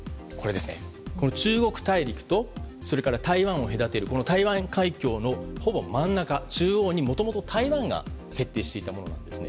この中国大陸と台湾を隔てる台湾海峡のほぼ真ん中中央に、もともと台湾が設定していたものです。